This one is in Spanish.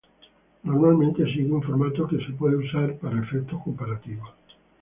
Normalmente sigue un formato que puede ser usado para efectos comparativos.